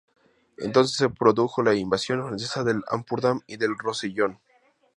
Entonces se produjo la invasión francesa del Ampurdán y del Rosellón.